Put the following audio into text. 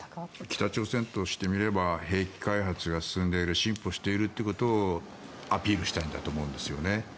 北朝鮮としてみれば兵器開発が進んでいる進歩しているということをアピールしたいんだと思うんですよね。